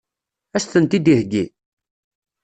Ad as-tent-id-iheggi?